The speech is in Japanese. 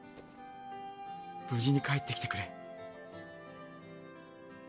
無事に帰ってきてくれ。